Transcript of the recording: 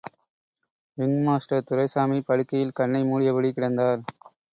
Ringmaster Duraisamy படுக்கையில் கண்ணை மூடியபடிக் கிடந்தார்.